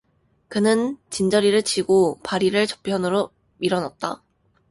그는 진저리를 치고 바리를 저편으로 밀어놨다.